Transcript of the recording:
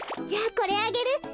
じゃあこれあげる。